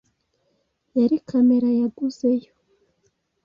Yari kamera yaguzeyo.